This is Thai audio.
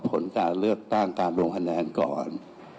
ผลการเลือกตั้งการลงคะแนนก่อน